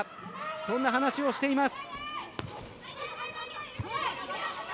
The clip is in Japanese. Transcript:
そんな話をしています。